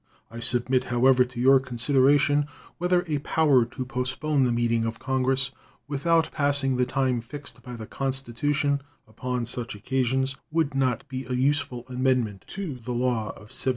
I submit, however, to your consideration whether a power to postpone the meeting of Congress, without passing the time fixed by the Constitution upon such occasions, would not be a useful amendment to the law of 1794.